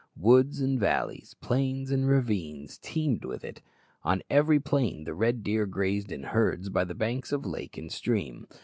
Woods and valleys, plains and ravines, teemed with it. On every plain the red deer grazed in herds by the banks of lake and stream.